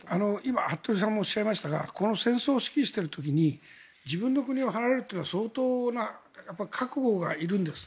服部さんもおっしゃいましたがこの戦争を指揮している時に自分の国を離れるのは相当な覚悟がいるんです。